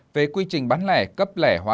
các quy trình này góp phần cải truyền